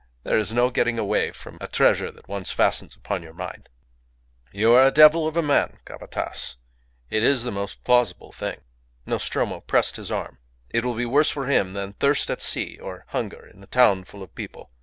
There is no getting away from a treasure that once fastens upon your mind." "You are a devil of a man, Capataz. It is the most plausible thing." Nostromo pressed his arm. "It will be worse for him than thirst at sea or hunger in a town full of people.